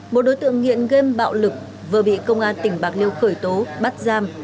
một đối tượng nghiện game bạo lực vừa bị công an tỉnh bạc liêu khởi tố bắt giam